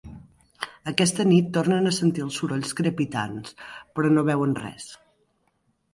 Aquesta nit, tornen a sentir els sorolls crepitants, però no veuen res.